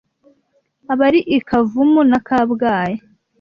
Abari i Kavumu na Kabgayi,